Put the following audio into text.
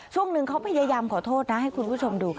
ช่วงหนึ่งเขาพยายามขอโทษนะให้คุณผู้ชมดูค่ะ